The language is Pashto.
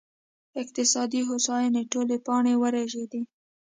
اقتصادي هوساینې ټولې پاڼې ورژېدې